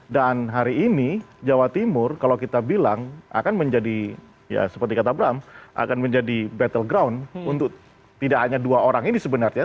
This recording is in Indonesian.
dan hari ini jawa timur kalau kita bilang akan menjadi ya seperti kata bram akan menjadi battle ground untuk tidak hanya dua orang ini sebenarnya